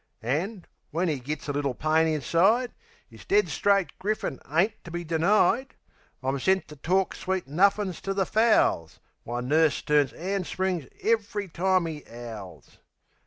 An', when 'e gits a little pain inside, 'Is dead straight griffin ain't to be denied. I'm sent to talk sweet nuffin's to the fowls; While nurse turns 'and springs ev'ry time 'e 'owls.